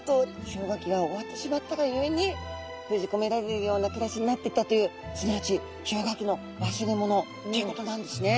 氷河期が終わってしまったがゆえにふうじこめられるような暮らしになっていったというすなわち氷河期の忘れものということなんですね。